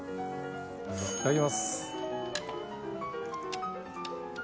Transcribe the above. いただきます。